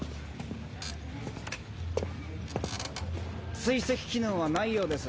追跡機能はないようです。